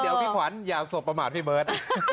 เดี๋ยวพี่ขวัญอย่าสบประมาทพี่เบิร์ต